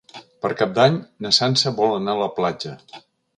Per Cap d'Any na Sança vol anar a la platja.